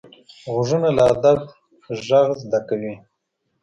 غوږونه له ادب غږ زده کوي